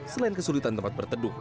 selain kesulitan tempat berteduh